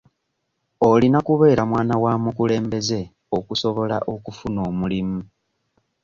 Olina kubeera mwana wa mukulembeze okusobola okufuna omulimu.